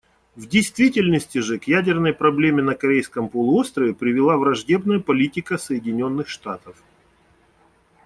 В действительности же к ядерной проблеме на Корейском полуострове привела враждебная политика Соединенных Штатов.